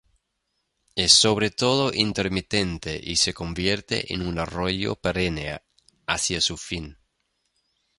Es sobre todo intermitente, y se convierte en un arroyo perenne hacia su fin.